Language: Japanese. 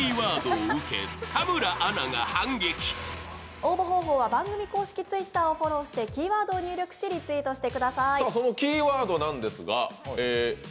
応募方法は番組公式Ｔｗｉｔｔｅｒをフォローしてキーワードを入力しリツイートしてください。